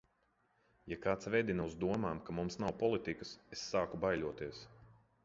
Ja kāds vedina uz domām, ka mums nav politikas, es sāku baiļoties.